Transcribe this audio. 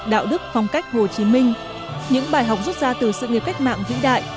đạo đức phong cách hồ chí minh những bài học rút ra từ sự nghiệp cách mạng vĩ đại